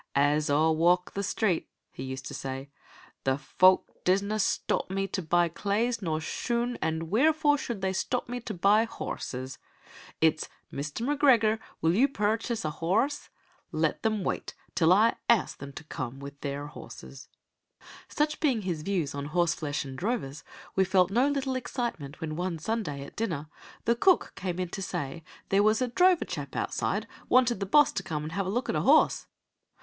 "As aw walk the street," he used to say, "the fouk disna stawp me to buy claes nor shoon, an' wheerfore should they stawp me to buy horrses? It's 'Mister M'Gregor, will ye purrchase a horrse?' Let them wait till I ask them to come wi' their horrses." Such being his views on horseflesh and drovers, we felt no little excitement when one Sunday, at dinner, the cook came in to say there was "a drover chap outside wanted the boss to come and have a look at a horse."